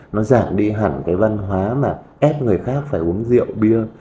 nó giảm đi hẳn cái văn hóa mà ép người khác phải uống rượu bia